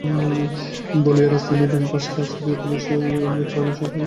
বালির রাজধানী ড্যানপাসারের রাস্তা দিয়ে চলার সময় দেখলাম, রাস্তায় কোনো ট্রাফিক পুলিশ নেই।